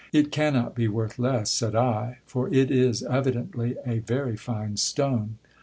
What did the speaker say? It cannot be worth less, said I, for it is evidently a very fine stone.